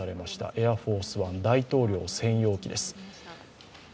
エアフォースワン、大統領専用機です。